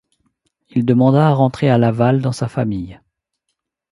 Il demanda à rentrer à Laval dans sa famille.